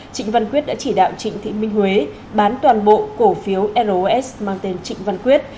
trịnh văn quyết đã chỉ đạo trịnh thị minh huế bán toàn bộ cổ phiếu ros mang tên trịnh văn quyết